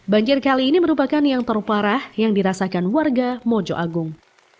banjir kali ini merupakan yang terparah yang dirasakan warga mojo agung